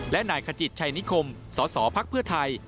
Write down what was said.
และนายขจิตชัยนิคมสสพไทย